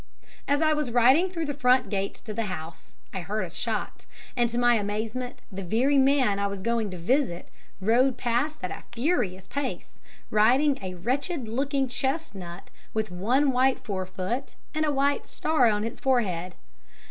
As I was riding through the front gates to the house, I heard a shot, and to my amazement the very man I was going to visit rode past at a furious pace, riding a wretched looking chestnut with one white forefoot and a white star on its forehead.